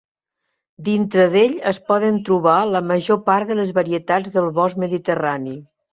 Dintre d'ell es poden trobar la major part de les varietats del bosc mediterrani.